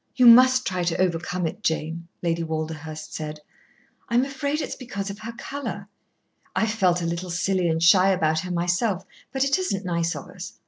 "You must try to overcome it, Jane," Lady Walderhurst said. "I'm afraid it's because of her colour. I've felt a little silly and shy about her myself, but it isn't nice of us.